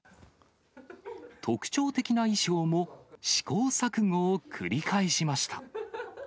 特徴的な衣装も、試行錯誤を繰り返しました。